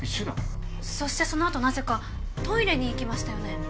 そしてその後なぜかトイレに行きましたよね？